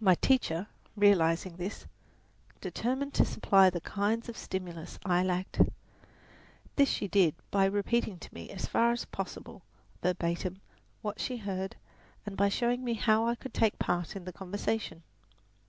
My teacher, realizing this, determined to supply the kinds of stimulus I lacked. This she did by repeating to me as far as possible, verbatim, what she heard, and by showing me how I could take part in the conversation.